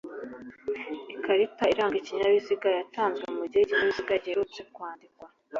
ikarita iranga ikinyabiziga yatanzwe mu gihe ikinyabiziga giherutse kwandikwa